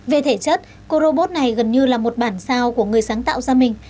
về thể chất cô robot này gần như là một bản sao của người sáng tạo ra mình